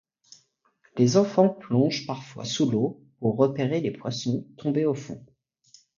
Les enfants plongent parfois sous l'eau pour repérer les poissons tombés au fond.